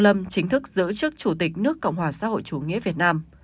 lâm chính thức giữ chức chủ tịch nước cộng hòa xã hội chủ nghĩa việt nam